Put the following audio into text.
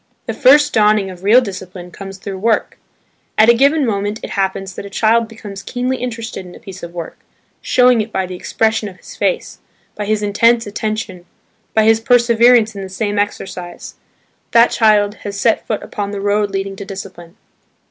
The first dawning of real discipline comes through work. At a given moment it happens that a child becomes keenly interested in a piece of work, showing it by the expression of his face, by his intense attention, by his perseverance in the same exercise. That child has set foot upon the road leading to discipline.